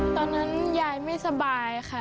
ตอนนั้นยายไม่สบายค่ะ